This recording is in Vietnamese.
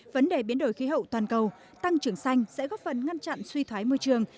vấn đề biến đổi khí hậu toàn cầu tăng trưởng xanh sẽ góp phần ngăn chặn suy thoái môi trường